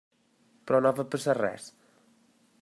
Però no va passar res.